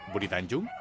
budi tanjung jakarta